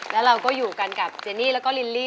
แล้วเราก็อยู่กันกับเจนี่แล้วก็ลิลลี่